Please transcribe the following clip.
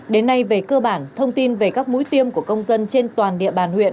đến nay về cơ bản thông tin về các mũi tiêm của công dân trên toàn địa bàn huyện